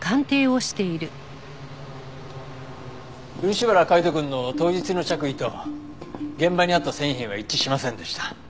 漆原海斗くんの当日の着衣と現場にあった繊維片は一致しませんでした。